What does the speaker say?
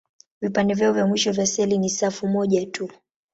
Vipande vyao vya mwisho vya seli ni safu moja tu.